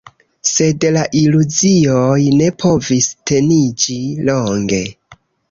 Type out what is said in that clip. Sed la iluzioj ne povis teniĝi longe.